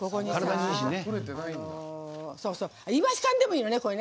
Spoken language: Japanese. イワシ缶でもいいの。